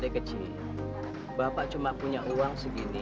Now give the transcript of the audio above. adik kecil bapak cuma punya uang segini